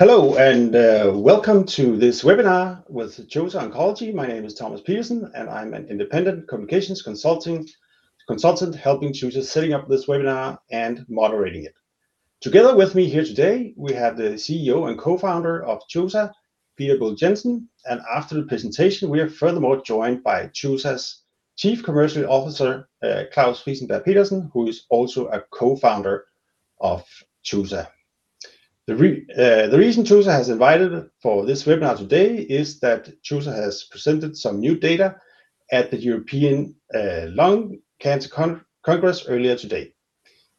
Hello, and welcome to this webinar with Chosa Oncology. My name is Thomas Pedersen, and I'm an independent communications consultant helping Chosa setting up this webinar and moderating it. Together with me here today, we have the CEO and Co-Founder of Chosa, Peter Buhl Jensen, and after the presentation we are furthermore joined by Chosa's Chief Commercial Officer, Claus Frisenberg Pedersen, who is also a Co-Founder of Chosa. The reason Chosa has invited for this webinar today is that Chosa has presented some new data at the European Lung Cancer Congress earlier today.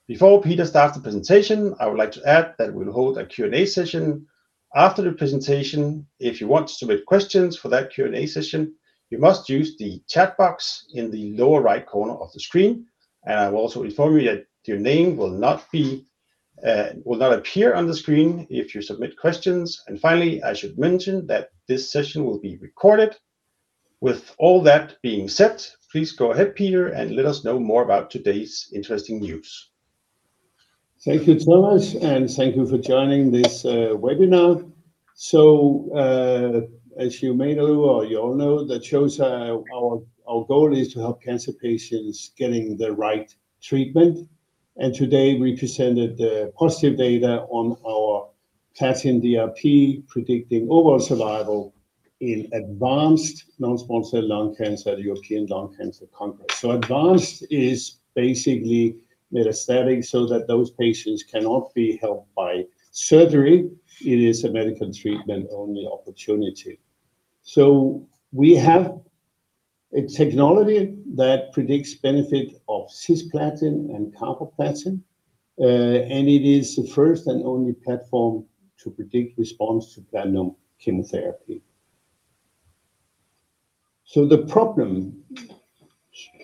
Before Peter starts the presentation, I would like to add that we'll hold a Q&A session after the presentation. If you want to submit questions for that Q&A session, you must use the chat box in the lower right corner of the screen. I will also inform you that your name will not appear on the screen if you submit questions. Finally, I should mention that this session will be recorded. With all that being said, please go ahead, Peter, and let us know more about today's interesting news. Thank you, Thomas, and thank you for joining this webinar. As you may know or you all know that CHOSA, our goal is to help cancer patients getting the right treatment, and today we presented the positive data on our Platin-DRP predicting overall survival in advanced non-small cell lung cancer at European Lung Cancer Congress. Advanced is basically metastatic so that those patients cannot be helped by surgery. It is a medical treatment only opportunity. We have a technology that predicts benefit of cisplatin and carboplatin, and it is the first and only platform to predict response to platinum chemotherapy. The problem,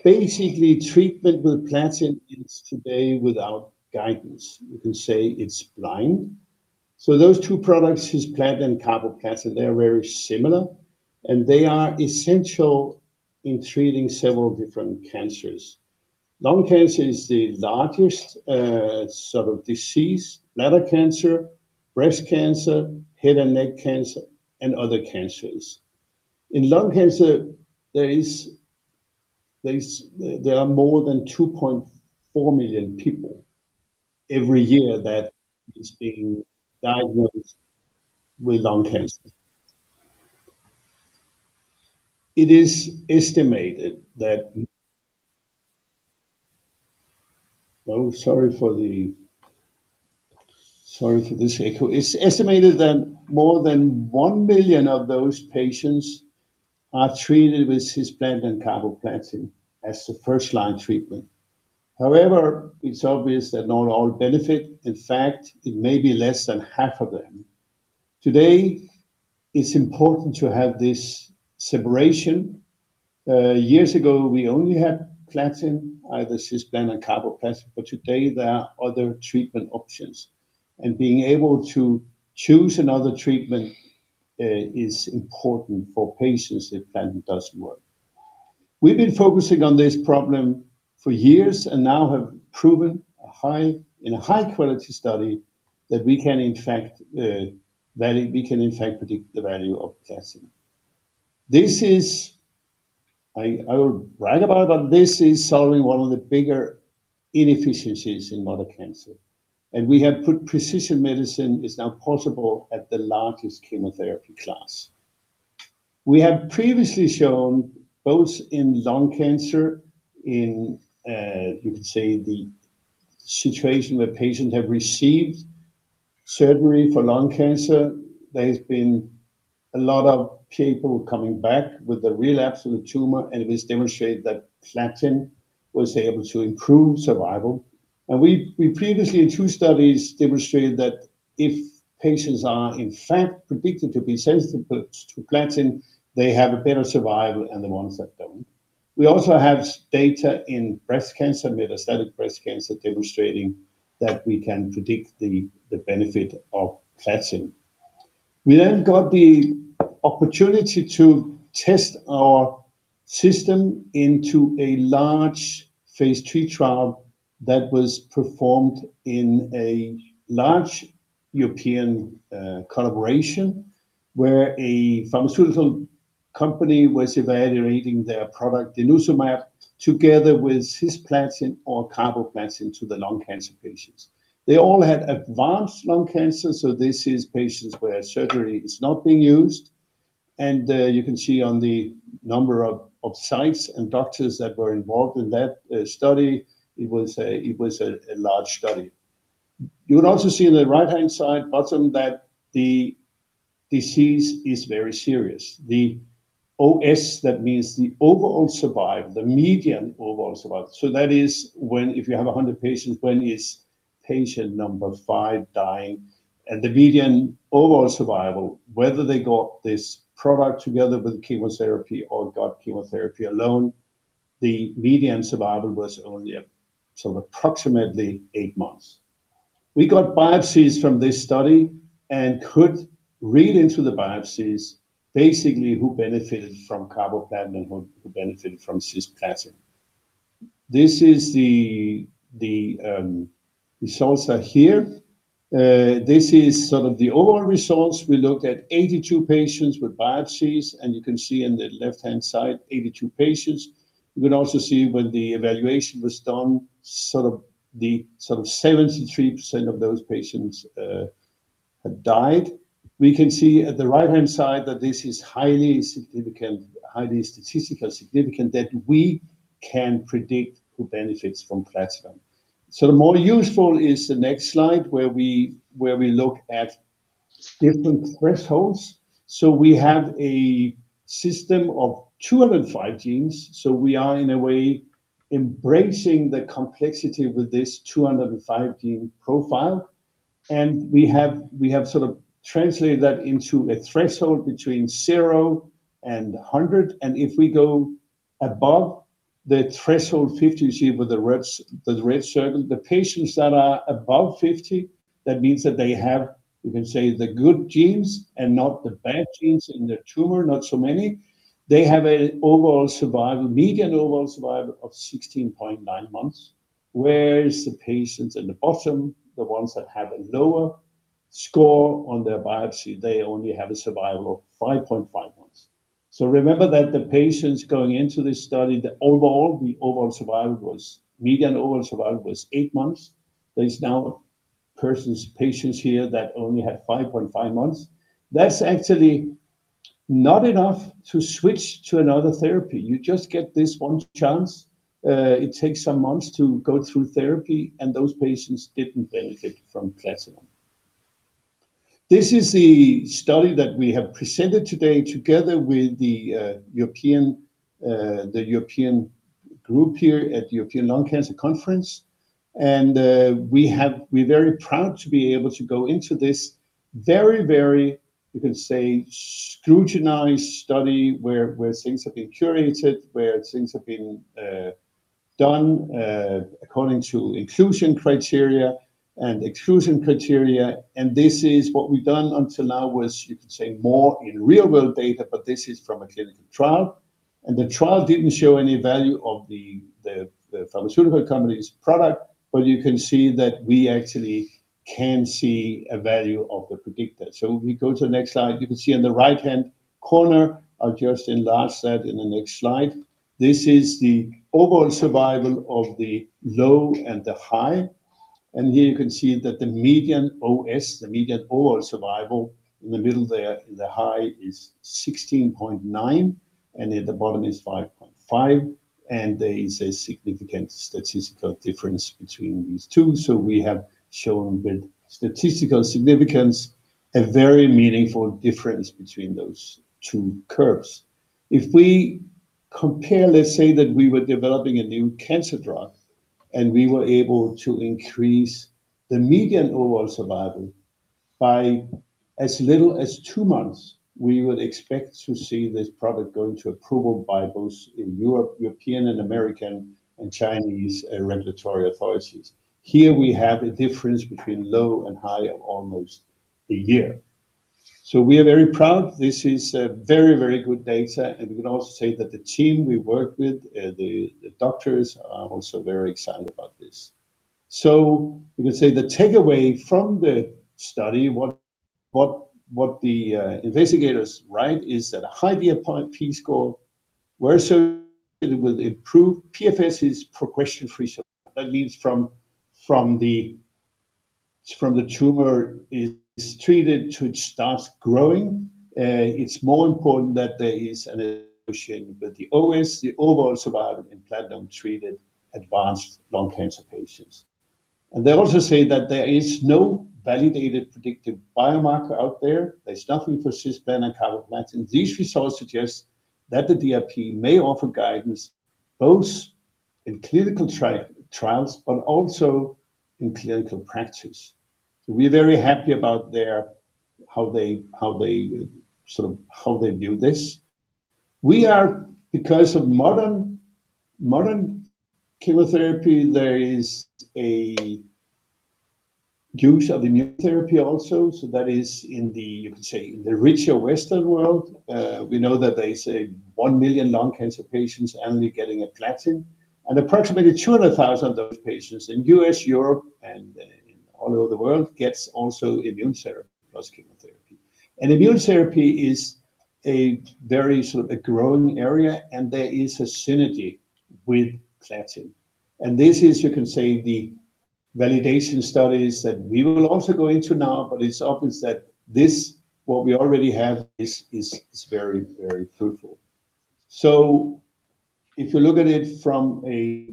basically treatment with platinum is today without guidance. You can say it's blind. Those two products, cisplatin and carboplatin, they are very similar, and they are essential in treating several different cancers. Lung cancer is the largest sort of disease. Liver cancer, breast cancer, head and neck cancer, and other cancers. In lung cancer there are more than 2.4 million people every year that is being diagnosed with lung cancer. It is estimated that more than 1 million of those patients are treated with cisplatin and carboplatin as the first line treatment. However, it's obvious that not all benefit. In fact, it may be less than half of them. Today, it's important to have this separation. Years ago we only had platinum, either cisplatin or carboplatin, but today there are other treatment options, and being able to choose another treatment is important for patients if platinum doesn't work. We've been focusing on this problem for years, and now have proven in a high quality study that we can in fact predict the value of platinum. I will write about it, but this is solving one of the bigger inefficiencies in modern cancer. Precision medicine is now possible at the largest chemotherapy class. We have previously shown both in lung cancer, in you could say the situation where patients have received surgery for lung cancer. There has been a lot of people coming back with a relapse of the tumor, and it was demonstrated that platinum was able to improve survival. We previously in two studies demonstrated that if patients are in fact predicted to be sensitive to platinum, they have a better survival than the ones that don't. We also have data in breast cancer, metastatic breast cancer, demonstrating that we can predict the benefit of platinum. We then got the opportunity to test our system into a large phase III trial that was performed in a large European collaboration, where a pharmaceutical company was evaluating their product, denosumab, together with cisplatin or carboplatin to the lung cancer patients. They all had advanced lung cancer, so this is patients where surgery is not being used. You can see on the number of sites and doctors that were involved in that study, it was a large study. You would also see in the right-hand side bottom that the disease is very serious. The OS, that means the overall survival, the median overall survival, that is when if you have 100 patients, when is patient number five dying and the median overall survival, whether they got this product together with chemotherapy or got chemotherapy alone, the median survival was only sort of approximately 8 months. We got biopsies from this study and could read into the biopsies basically who benefited from carboplatin and who benefited from cisplatin. This is the results are here. This is some of the overall results. We looked at 82 patients with biopsies, and you can see in the left-hand side 82 patients. You can also see when the evaluation was done, sort of 73% of those patients had died. We can see at the right-hand side that this is highly significant, highly statistically significant that we can predict who benefits from platinum. The more useful is the next slide where we look at different thresholds. We have a system of 205 genes, so we are in a way embracing the complexity with this 205 gene profile. We have sort of translated that into a threshold between 0 and 100. If we go above the threshold 50, see with the red circle, the patients that are above 50, that means that they have, you can say, the good genes and not the bad genes in their tumor, not so many. They have an overall survival, median overall survival of 16.9 months, whereas the patients in the bottom, the ones that have a lower score on their biopsy, they only have a survival of 5.5 months. Remember that the patients going into this study, the overall survival was median overall survival of eight months. There are patients here that only had 5.5 months. That's actually not enough to switch to another therapy. You just get this one chance. It takes some months to go through therapy, and those patients didn't benefit from platinum. This is the study that we have presented today together with the European group here at European Lung Cancer Congress. We're very proud to be able to go into this very scrutinized study where things have been curated, where things have been done according to inclusion criteria and exclusion criteria. This is what we've done until now was, you could say, more in real world data, but this is from a clinical trial. The trial didn't show any value of the pharmaceutical company's product, but you can see that we actually can see a value of the predictor. If we go to the next slide, you can see on the right-hand corner, I'll just enlarge that in the next slide. This is the overall survival of the low and the high. Here you can see that the median OS, the median overall survival in the middle there, the high is 16.9, and at the bottom is 5.5. There is a significant statistical difference between these two. We have shown with statistical significance a very meaningful difference between those two curves. If we compare, let's say that we were developing a new cancer drug, and we were able to increase the median overall survival by as little as 2 months, we would expect to see this product going to approval by both in Europe, European and American and Chinese regulatory authorities. Here we have a difference between low and high of almost a year. We are very proud. This is, very, very good data. We can also say that the team we work with, the doctors are also very excited about this. You can say the takeaway from the study, what the investigators write is that a high DRP score were associated with improved PFS, progression-free survival. That means from the tumor is treated to it starts growing. It's more important that there is an association with the OS, the overall survival in platinum-treated advanced lung cancer patients. They also say that there is no validated predictive biomarker out there. There's nothing for cisplatin, carboplatin. These results suggest that the DRP may offer guidance both in clinical trials but also in clinical practice. We're very happy about how they view this. We are because of modern chemotherapy, there is a use of immune therapy also. That is in the, you could say, in the richer Western world. We know that there is 1 million lung cancer patients annually getting a platinum. Approximately 200,000 of those patients in U.S., Europe, and all over the world get also immune therapy plus chemotherapy. Immune therapy is a very sort of a growing area, and there is a synergy with platinum. This is, you can say, the validation studies that we will also go into now, but it's obvious that this, what we already have is very fruitful. If you look at it from a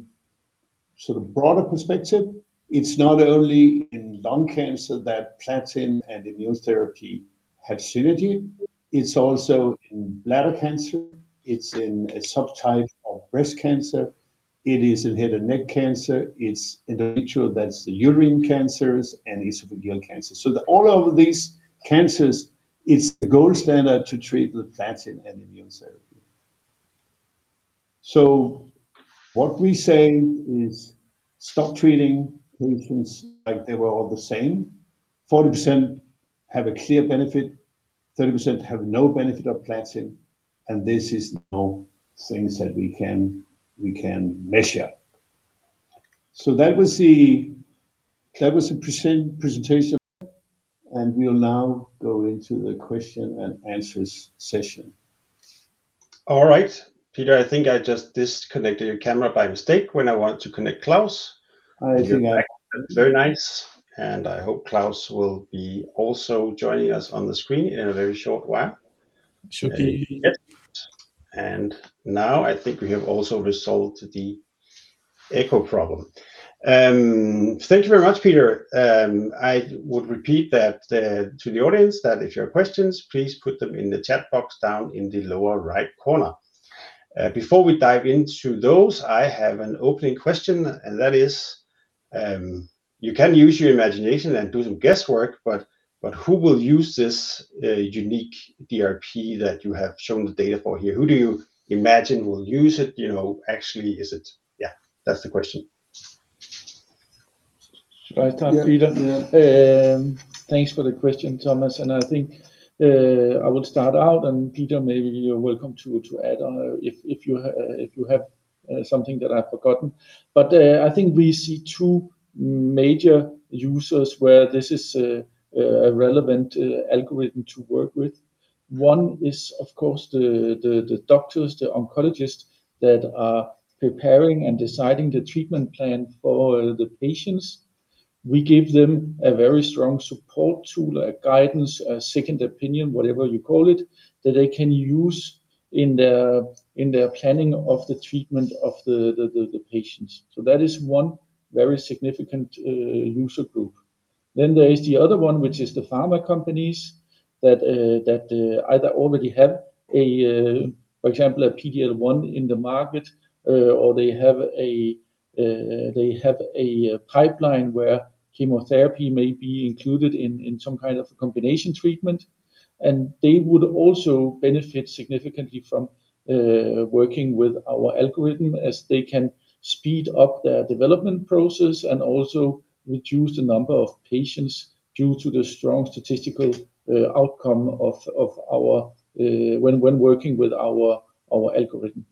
sort of broader perspective, it's not only in lung cancer that platinum and immune therapy have synergy. It's also in bladder cancer. It's in a subtype of breast cancer. It is in head and neck cancer. It's in ovarian, that's the urinary cancers and esophageal cancer. That's all of these cancers, it's the gold standard to treat with platinum and immune therapy. What we say is stop treating patients like they were all the same. 40% have a clear benefit, 30% have no benefit of platinum and this is now things that we can measure. That was the presentation and we'll now go into the question and answer session. All right. Peter, I think I just disconnected your camera by mistake when I wanted to connect Claus. I think I- Very nice. I hope Claus will be also joining us on the screen in a very short while. Should be. Yes. Now I think we have also resolved the echo problem. Thank you very much, Peter. I would repeat that to the audience that if you have questions, please put them in the chat box down in the lower right corner. Before we dive into those, I have an opening question, and that is, you can use your imagination and do some guesswork, but who will use this unique DRP that you have shown the data for here? Who do you imagine will use it? You know, actually, is it? Yeah, that's the question. Should I start, Peter? Yeah. Thanks for the question, Thomas, and I think I will start out, and Peter, maybe you're welcome to add on if you have something that I've forgotten. I think we see two major users where this is a relevant algorithm to work with. One is of course the doctors, the oncologists that are preparing and deciding the treatment plan for the patients. We give them a very strong support tool, a guidance, a second opinion, whatever you call it, that they can use in their planning of the treatment of the patients. That is one very significant user group. There is the other one, which is the pharma companies that either already have, for example, a PD-L1 in the market, or they have a pipeline where chemotherapy may be included in some kind of a combination treatment. They would also benefit significantly from working with our algorithm as they can speed up their development process and also reduce the number of patients due to the strong statistical outcome of our when working with our algorithm.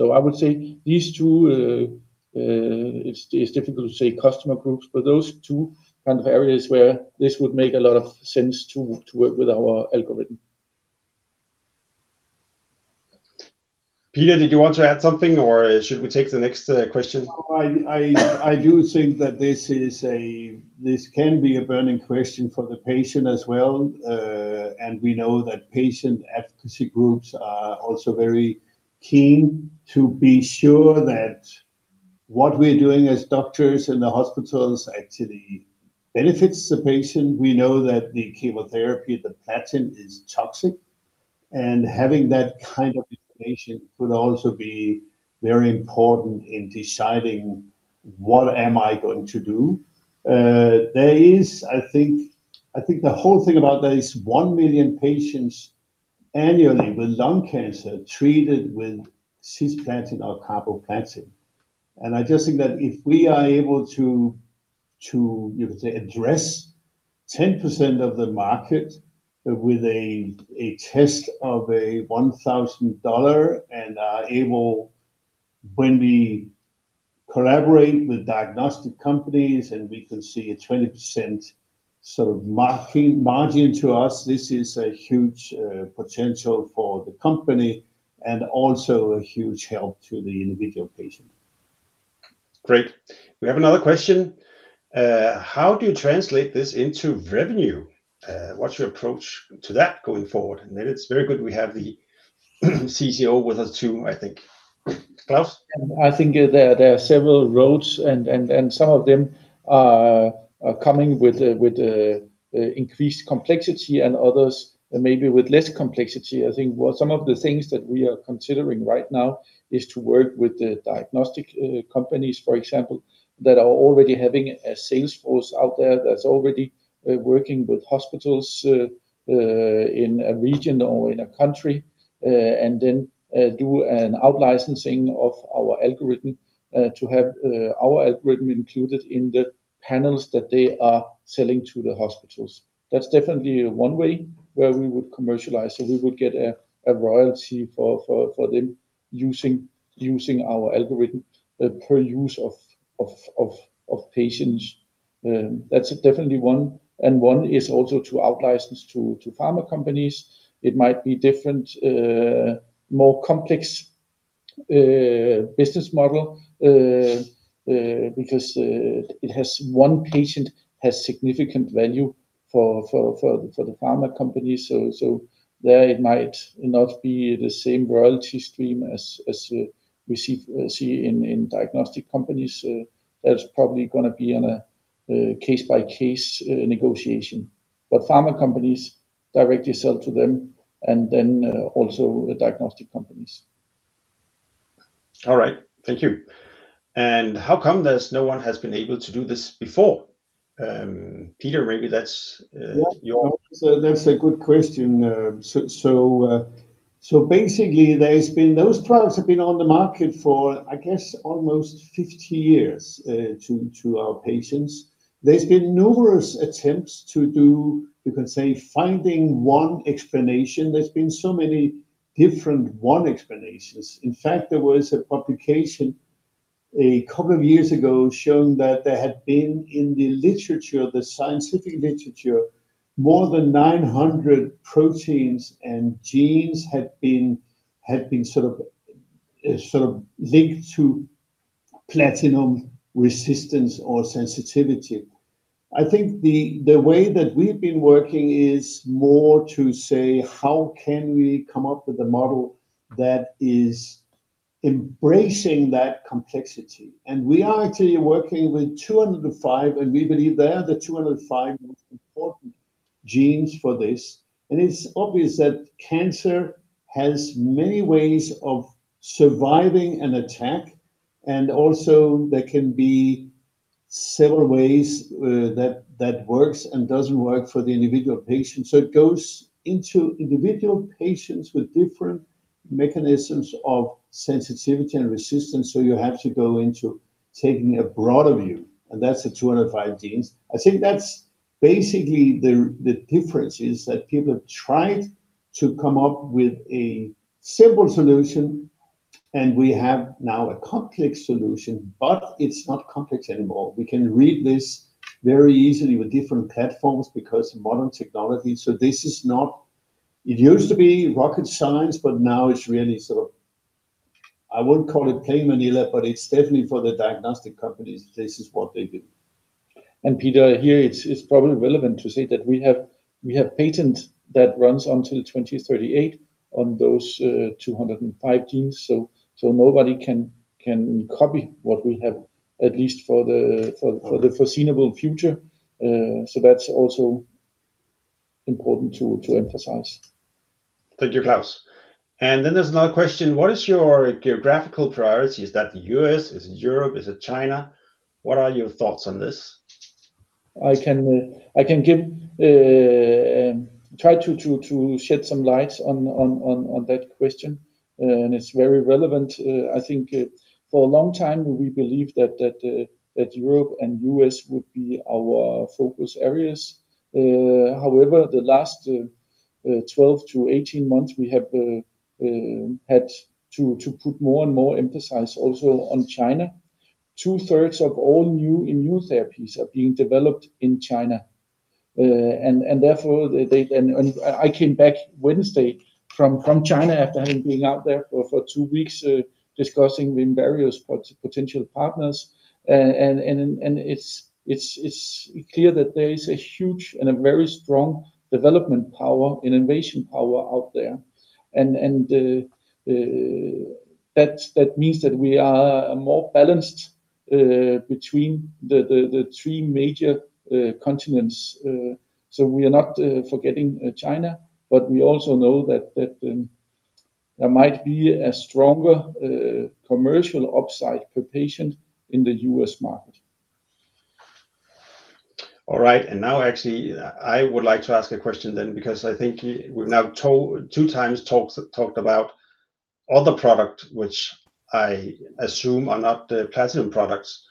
I would say these two, it's difficult to say customer groups, but those two kind of areas where this would make a lot of sense to work with our algorithm. Peter, did you want to add something or should we take the next question? I do think that this can be a burning question for the patient as well. We know that patient advocacy groups are also very keen to be sure that what we're doing as doctors in the hospitals actually benefits the patient. We know that the chemotherapy, the platinum is toxic, and having that kind of information could also be very important in deciding what I am going to do. I think the whole thing about that is 1 million patients annually with lung cancer treated with cisplatin or carboplatin. I just think that if we are able to, you could say, address 10% of the market with a test of a $1,000 and are able when we collaborate with diagnostic companies and we can see a 20% sort of margin to us, this is a huge potential for the company and also a huge help to the individual patient. Great. We have another question. How do you translate this into revenue? What's your approach to that going forward? It's very good we have the CCO with us too, I think. Claus? I think there are several roads and some of them are coming with a increased complexity and others maybe with less complexity. I think what some of the things that we are considering right now is to work with the diagnostic companies, for example, that are already having a sales force out there that's already working with hospitals in a region or in a country, and then do an out-licensing of our algorithm to have our algorithm included in the panels that they are selling to the hospitals. That's definitely one way where we would commercialize. We would get a royalty for them using our algorithm per use of patients. That's definitely one. One is also to out-license to pharma companies. It might be different, more complex business model because one patient has significant value for the pharma companies. There it might not be the same royalty stream as we see in diagnostic companies. That's probably gonna be on a case-by-case negotiation. Pharma companies directly sell to them and then also the diagnostic companies. All right. Thank you. How come there's no one has been able to do this before? Peter, maybe that's your Yeah. That's a good question. Basically, those products have been on the market for, I guess, almost 50 years to our patients. There's been numerous attempts to do, you can say, finding one explanation. There's been so many different one explanations. In fact, there was a publication a couple of years ago showing that there had been in the literature, the scientific literature, more than 900 proteins and genes had been sort of linked to platinum resistance or sensitivity. I think the way that we've been working is more to say, "How can we come up with a model that is embracing that complexity?" We are actually working with 205, and we believe they are the 205 most important genes for this. It's obvious that cancer has many ways of surviving an attack, and also there can be several ways that works and doesn't work for the individual patient. It goes into individual patients with different mechanisms of sensitivity and resistance, so you have to go into taking a broader view, and that's the 205 genes. I think that's basically the difference is that people have tried to come up with a simple solution, and we have now a complex solution, but it's not complex anymore. We can read this very easily with different platforms because modern technology. This is not. It used to be rocket science, but now it's really sort of, I wouldn't call it plain vanilla, but it's definitely for the diagnostic companies, this is what they do. Peter, here it's probably relevant to say that we have patent that runs until 2038 on those 205 genes. So nobody can copy what we have, at least for the foreseeable future. So that's also important to emphasize. Thank you, Klaus. There's another question. What is your geographical priority? Is that the U.S., is it Europe, is it China? What are your thoughts on this? I can try to shed some light on that question, and it's very relevant. I think for a long time we believe that Europe and U.S. would be our focus areas. However, the last 12-18 months we have had to put more and more emphasis also on China. Two-thirds of all new immune therapies are being developed in China. It's clear that there is a huge and a very strong development power, innovation power out there. That means that we are more balanced between the three major continents. We are not forgetting China, but we also know that there might be a stronger commercial upside per patient in the U.S. market. All right. Now actually I would like to ask a question then because I think you... We've now two times talked about other products which I assume are not the platinum products.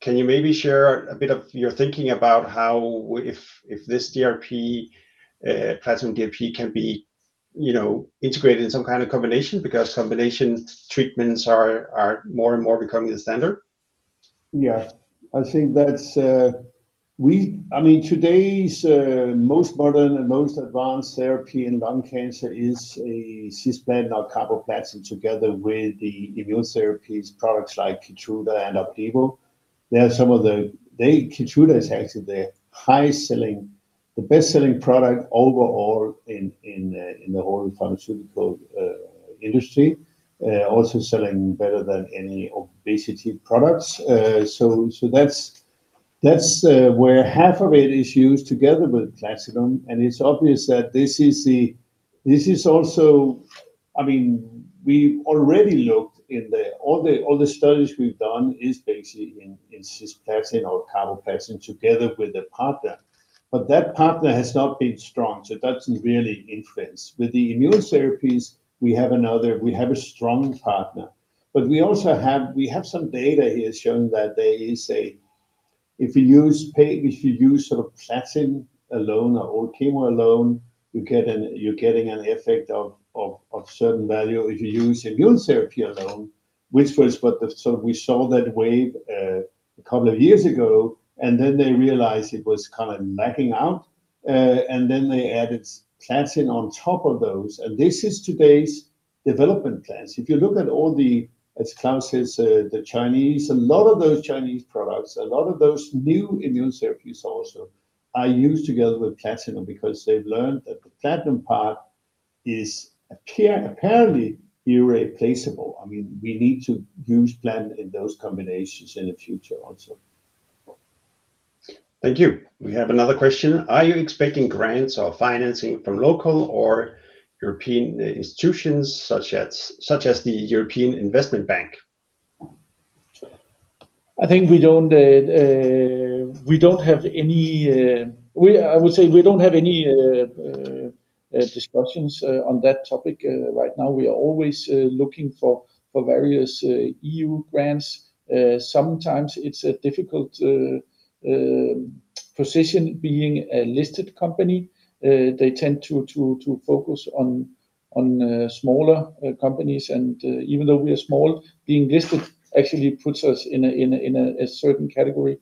Can you maybe share a bit of your thinking about how if this DRP, Platin-DRP can be, you know, integrated in some kind of combination? Because combination treatments are more and more becoming the standard. Yeah. I think that's, I mean, today's most modern and most advanced therapy in lung cancer is a cisplatin or carboplatin together with the immune therapies products like Keytruda and Opdivo. They are some of the. Keytruda is actually the highest selling, the best-selling product overall in the whole pharmaceutical industry. Also selling better than any obesity products. So that's where half of it is used together with platinum, and it's obvious that this is also. I mean, all the studies we've done is basically in cisplatin or carboplatin together with a partner. But that partner has not been strong, so it doesn't really influence. With the immune therapies we have another strong partner, but we also have some data here showing that there is. If you use sort of platinum alone or chemo alone, you're getting an effect of certain value. If you use immune therapy alone. We saw that wave a couple of years ago, and then they realized it was kind of lacking out. They added platinum on top of those, and this is today's development plans. If you look at all the, as Claus says, the Chinese, a lot of those Chinese products, a lot of those new immune therapies also are used together with platinum because they've learned that the platinum part is apparently irreplaceable. I mean, we need to use platinum in those combinations in the future also. Thank you. We have another question. Are you expecting grants or financing from local or European institutions such as the European Investment Bank? I think we don't have any discussions on that topic right now. We are always looking for various EU grants. Sometimes it's a difficult position being a listed company. They tend to focus on smaller companies and even though we are small, being listed actually puts us in a certain category.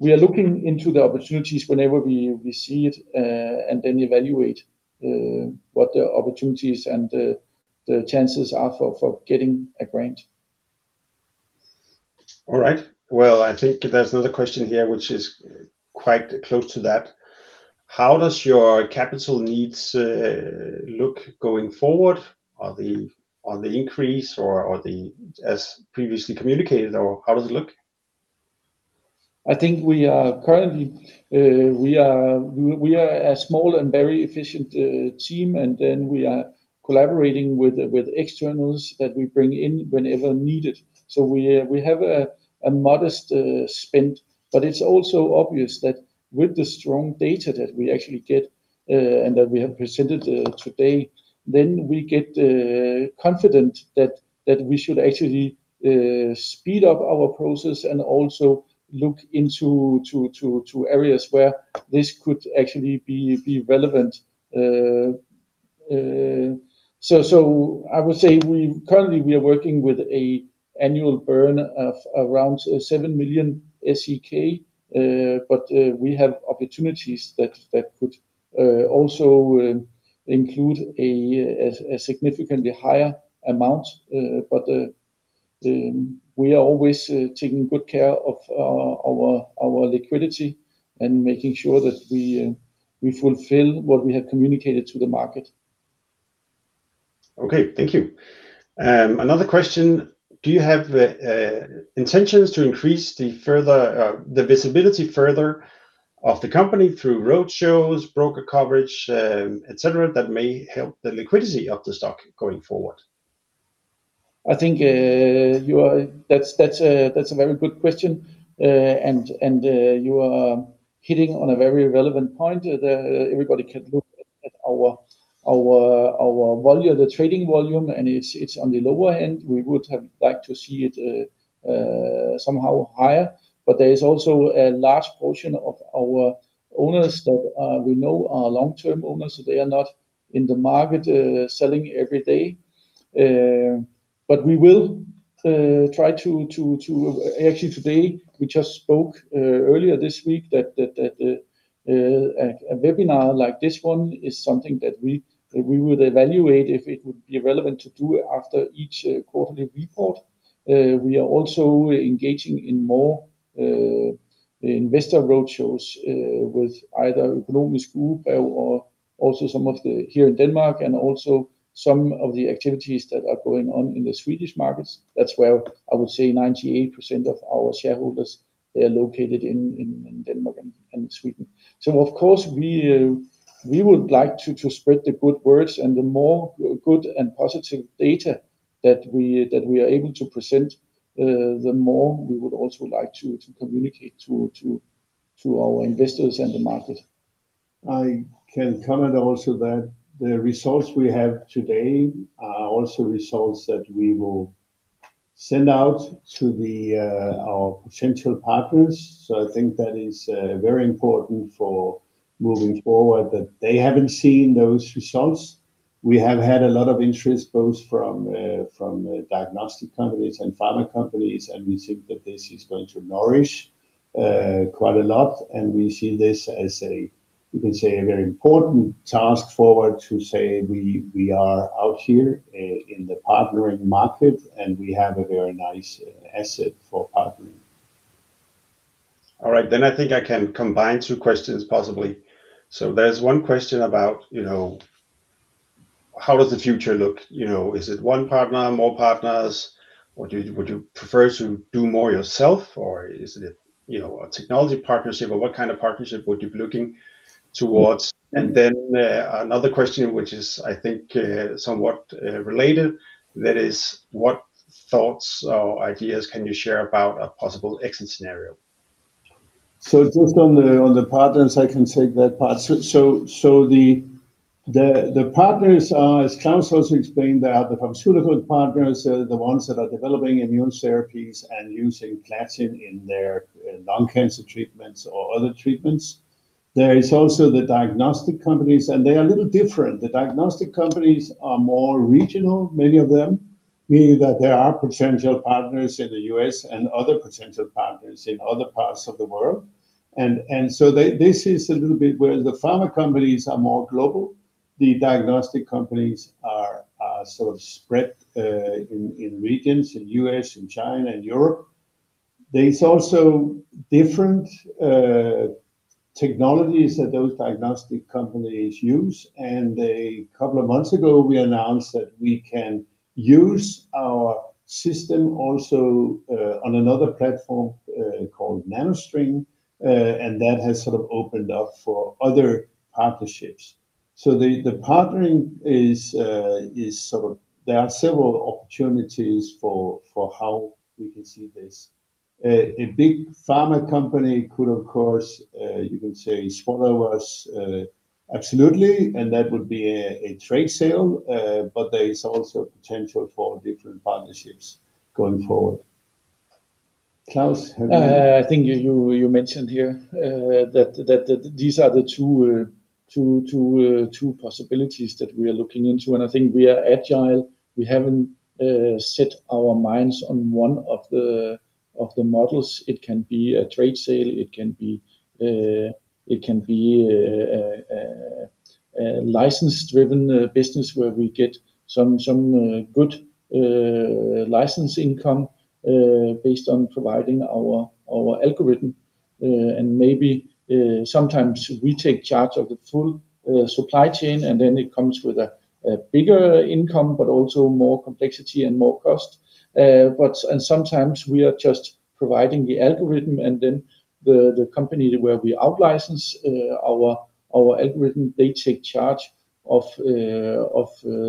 We are looking into the opportunities whenever we see it and then evaluate what the opportunities and the chances are for getting a grant. All right. Well, I think there's another question here which is quite close to that. How does your capital needs look going forward? On the increase or the as previously communicated, or how does it look? I think we are currently a small and very efficient team, and then we are collaborating with externals that we bring in whenever needed. We have a modest spend, but it's also obvious that with the strong data that we actually get and that we have presented today, then we get confident that we should actually speed up our process and also look into areas where this could actually be relevant. I would say we currently are working with an annual burn of around 7 million SEK. We have opportunities that could also include a significantly higher amount. We are always taking good care of our liquidity and making sure that we fulfill what we have communicated to the market. Okay. Thank you. Another question, do you have intentions to increase the visibility further of the company through roadshows, broker coverage, et cetera, that may help the liquidity of the stock going forward? I think that's a very good question. You are hitting on a very relevant point. Everybody can look at our volume, the trading volume, and it's on the lower end. We would have liked to see it somehow higher. There is also a large portion of our owners that we know are long-term owners, so they are not in the market selling every day. We will try. Actually, today we just spoke earlier this week that a webinar like this one is something that we would evaluate if it would be relevant to do after each quarterly report. We are also engaging in more investor roadshows with either or also some of the here in Denmark and also some of the activities that are going on in the Swedish markets. That's where I would say 98% of our shareholders they are located in Denmark and Sweden. Of course we would like to spread the good words and the more good and positive data that we are able to present, the more we would also like to communicate to our investors and the market. I can comment also that the results we have today are also results that we will send out to our potential partners. I think that is very important for moving forward, that they haven't seen those results. We have had a lot of interest both from diagnostic companies and pharma companies, and we think that this is going to nourish quite a lot. We see this as a, you can say, a very important task forward to say we are out here in the partnering market and we have a very nice asset for partnering. All right. I think I can combine two questions possibly. There's one question about, you know, how does the future look? You know, is it one partner, more partners, or would you prefer to do more yourself, or is it, you know, a technology partnership or what kind of partnership would you be looking towards? Another question which is, I think, somewhat related, that is what thoughts or ideas can you share about a possible exit scenario? Just on the partners, I can take that part. The partners are, as Claus also explained, they are the pharmaceutical partners, the ones that are developing immune therapies and using Platin-DRP in their lung cancer treatments or other treatments. There is also the diagnostic companies, and they are a little different. The diagnostic companies are more regional, many of them, meaning that there are potential partners in the U.S. and other potential partners in other parts of the world. This is a little bit where the pharma companies are more global. The diagnostic companies are sort of spread in regions, in the U.S. and China and Europe. There is also different technologies that those diagnostic companies use. A couple of months ago, we announced that we can use our system also on another platform called NanoString, and that has sort of opened up for other partnerships. The partnering is sort of. There are several opportunities for how we can see this. A big pharma company could, of course, you can say swallow us, absolutely, and that would be a trade sale. There is also potential for different partnerships going forward. Claus, have you- I think you mentioned here that these are the two possibilities that we are looking into. I think we are agile. We haven't set our minds on one of the models. It can be a trade sale. It can be a license driven business where we get some good license income based on providing our algorithm. Maybe sometimes we take charge of the full supply chain, and then it comes with a bigger income, but also more complexity and more cost. Sometimes we are just providing the algorithm, and then the company where we out-license our algorithm, they take charge of the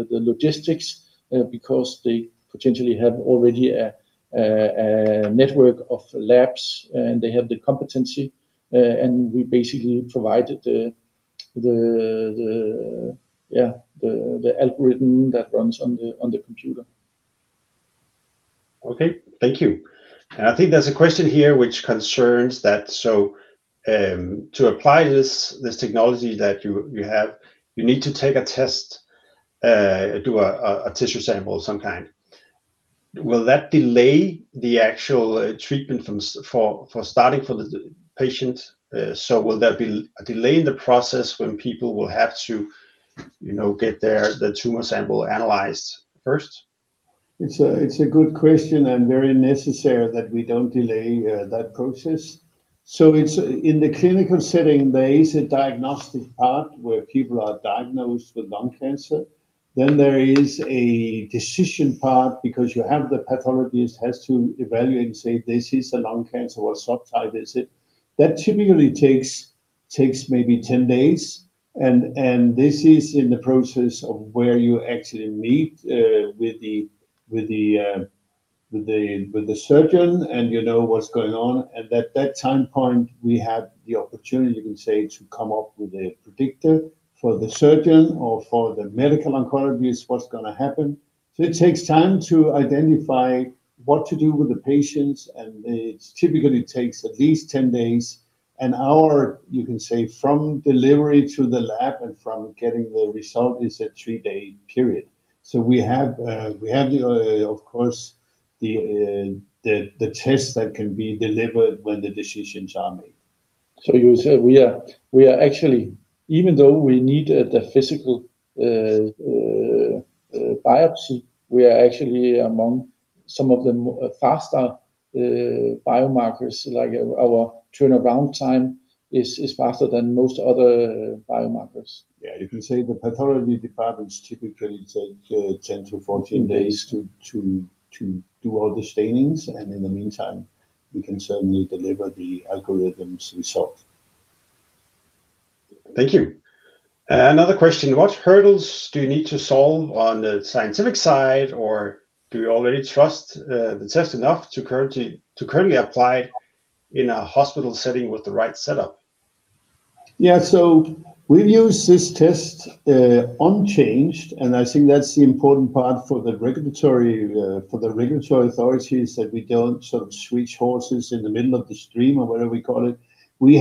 logistics, because they potentially have already a network of labs and they have the competency. We basically provided the algorithm that runs on the computer. Okay. Thank you. I think there's a question here which concerns that. To apply this technology that you have, you need to take a test, do a tissue sample of some kind. Will that delay the actual treatment from starting for the patient? Will there be a delay in the process when people will have to, you know, get the tumor sample analyzed first? It's a good question and very necessary that we don't delay that process. In the clinical setting, there is a diagnostic part where people are diagnosed with lung cancer. Then there is a decision part because you have the pathologist has to evaluate and say, "This is a lung cancer. What subtype is it?" That typically takes maybe 10 days and this is in the process of where you actually meet with the surgeon, and you know what's going on. At that time point, we have the opportunity, you can say, to come up with a predictor for the surgeon or for the medical oncologist what's gonna happen. It takes time to identify what to do with the patients, and it typically takes at least 10 days. An hour, you can say, from delivery to the lab and from getting the result is a three-day period. We have, of course, the test that can be delivered when the decisions are made. You said we are actually, even though we need the physical biopsy, we are actually among some of the faster biomarkers. Like our turnaround time is faster than most other biomarkers. Yeah. You can say the pathology departments typically take 10-14 days to do all the stainings, and in the meantime, we can certainly deliver the algorithm's result. Thank you. Another question. What hurdles do you need to solve on the scientific side, or do you already trust the test enough to currently apply in a hospital setting with the right setup? Yeah. We've used this test, unchanged, and I think that's the important part for the regulatory authorities that we don't sort of switch horses in the middle of the stream or whatever we call it. We've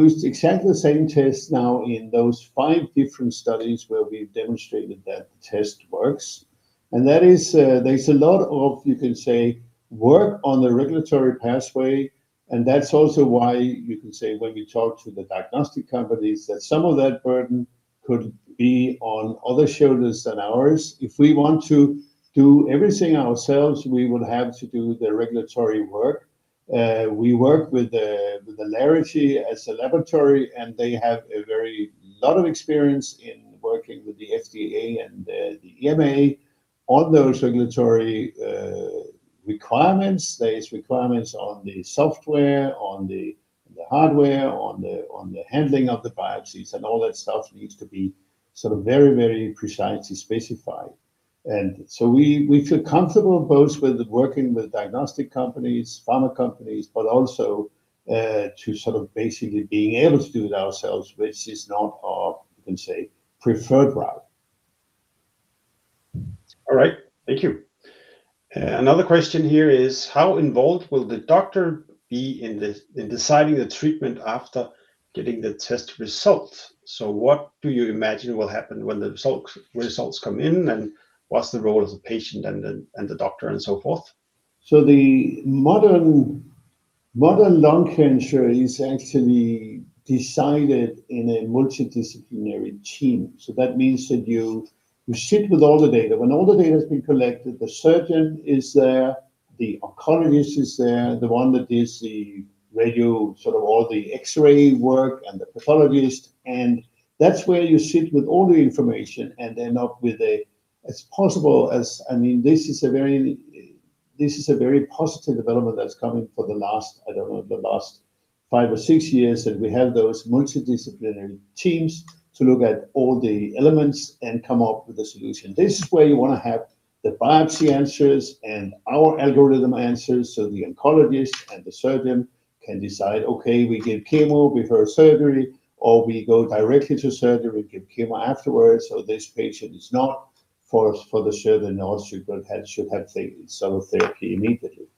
used exactly the same test now in those five different studies where we've demonstrated that the test works. That is, there's a lot of, you can say, work on the regulatory pathway, and that's also why, you can say, when we talk to the diagnostic companies, that some of that burden could be on other shoulders than ours. If we want to do everything ourselves, we would have to do the regulatory work. We work with Alere as a laboratory, and they have a very... lot of experience in working with the FDA and the EMA on those regulatory requirements. There is requirements on the software, on the hardware, on the handling of the biopsies, and all that stuff needs to be sort of very, very precisely specified. We feel comfortable both with working with diagnostic companies, pharma companies, but also to sort of basically being able to do it ourselves, which is not our, you can say, preferred route. All right. Thank you. Another question here is how involved will the doctor be in deciding the treatment after getting the test result? So what do you imagine will happen when the results come in, and what's the role of the patient and the doctor and so forth? The modern lung cancer is actually decided in a multidisciplinary team. That means that you sit with all the data. When all the data has been collected, the surgeon is there, the oncologist is there, the radiologist, sort of all the X-ray work, and the pathologist. That's where you sit with all the information. I mean, this is a very positive development that's coming for the last, I don't know, the last five or six years, that we have those multidisciplinary teams to look at all the elements and come up with a solution. This is where you wanna have the biopsy answers and our algorithm answers, so the oncologist and the surgeon can decide, okay, we give chemo before surgery, or we go directly to surgery, give chemo afterwards, or this patient is not for the surgery, should have T-cell therapy immediately.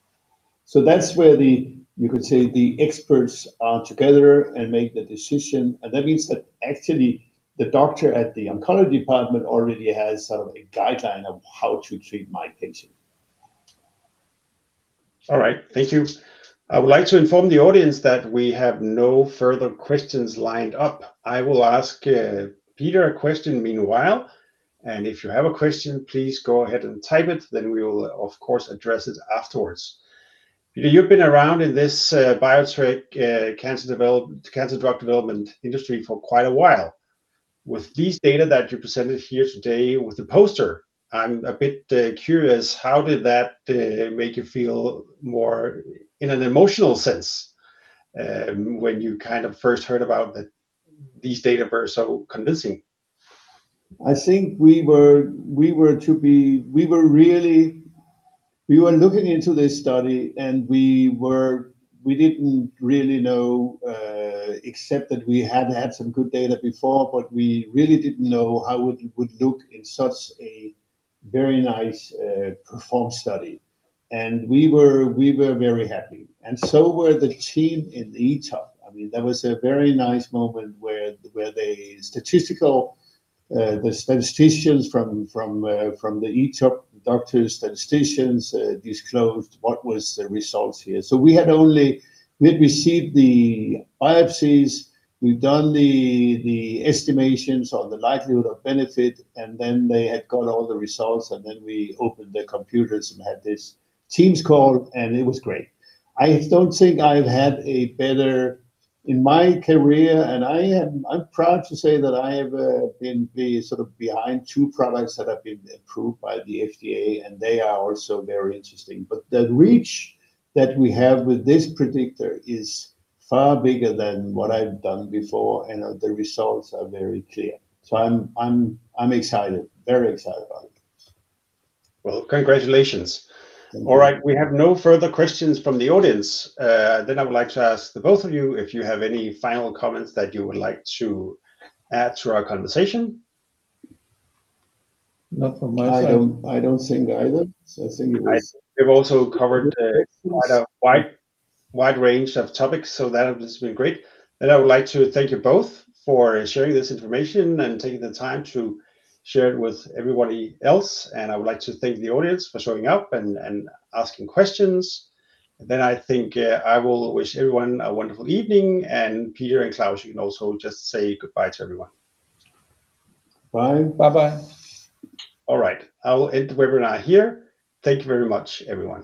You could say the experts are together and make the decision, and that means that actually the doctor at the oncology department already has sort of a guideline of how to treat my patient. All right. Thank you. I would like to inform the audience that we have no further questions lined up. I will ask Peter a question meanwhile, and if you have a question, please go ahead and type it, then we will of course address it afterwards. Peter, you've been around in this biotech cancer drug development industry for quite a while. With these data that you presented here today with the poster, I'm a bit curious, how did that make you feel more in an emotional sense, when you kind of first heard about that these data were so convincing? I think we were looking into this study and we didn't really know, except that we had had some good data before, but we really didn't know how it would look in such a very nicely performed study. We were very happy, and so were the team in ETOP. I mean, that was a very nice moment where the statisticians from the ETOP, doctors, statisticians disclosed what was the results here. We'd received the biopsies, we'd done the estimations on the likelihood of benefit, and then they had got all the results, and then we opened the computers and had this Teams call, and it was great. I don't think I've had a better in my career, and I'm proud to say that I have been sort of behind two products that have been approved by the FDA, and they are also very interesting. The reach that we have with this predictor is far bigger than what I've done before, and the results are very clear. I'm excited. Very excited about it. Well, congratulations. Thank you. All right. We have no further questions from the audience. I would like to ask the both of you if you have any final comments that you would like to add to our conversation. Not from my side. I don't think either. I think it was. We've also covered. Good questions.... a quite wide range of topics, so that has just been great. I would like to thank you both for sharing this information and taking the time to share it with everybody else. I would like to thank the audience for showing up and asking questions. I think I will wish everyone a wonderful evening. Peter and Claus, you can also just say goodbye to everyone. Bye. Bye-bye. All right. I will end the webinar here. Thank you very much, everyone.